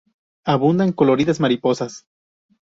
Abundan coloridas mariposas.